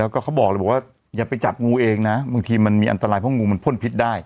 ก็เขาบอกเลยบอกว่าอย่าไปจับงูเองนะบางทีมันมีอันตรายเพราะงูมันพ่นพิษได้